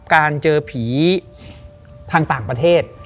การเจอผีทางต่างประเทศ